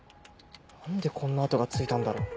何でこんな跡が付いたんだろう。